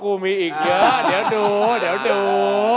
กูมีอีกเยอะเดี๋ยวดู